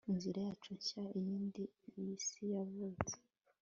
inzira yacu nshya Iyindi Isi yavutse